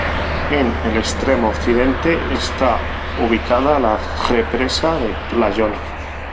En el extremo occidente está ubicada la represa de Playón.